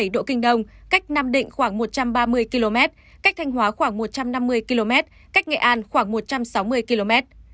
một mươi độ kinh đông cách nam định khoảng một trăm ba mươi km cách thanh hóa khoảng một trăm năm mươi km cách nghệ an khoảng một trăm sáu mươi km